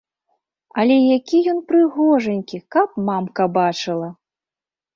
Але які ён прыгожанькі, каб мамка бачыла!